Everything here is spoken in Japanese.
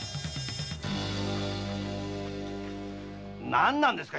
何なんですか